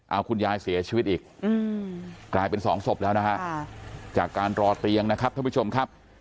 เอาคุณยายเสียชีวิตอีกกลายเป็นสองศพแล้วนะฮะจากการรอเตียงนะครับท่านผู้ชมครับ